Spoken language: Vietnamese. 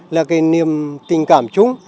là cái niềm tình cảm chung